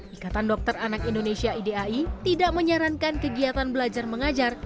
ikatan dokter anak indonesia idai tidak menyarankan kegiatan belajar mengajar